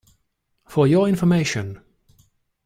For your information.